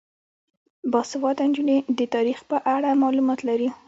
باسواده نجونې د تاریخ په اړه معلومات لري.